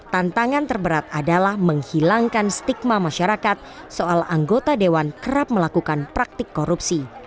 tantangan terberat adalah menghilangkan stigma masyarakat soal anggota dewan kerap melakukan praktik korupsi